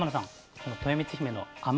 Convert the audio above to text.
このとよみつひめの甘さ